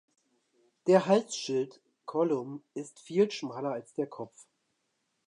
Der Halsschild (Collum) ist viel schmaler als der Kopf.